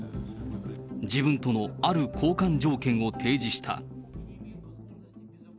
自分とのある交換条件を提示した。